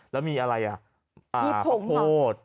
แล้วมีอะไรมีพักโพด